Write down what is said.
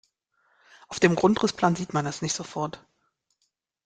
Auf dem Grundrissplan sieht man das nicht sofort.